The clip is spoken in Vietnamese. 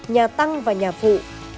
nhà tăng và nhà phụ